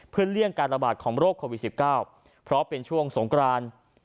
เพื่อเลี่ยงการระบาดของโรคโควิด๑๙เพราะเป็นช่วงสงคราน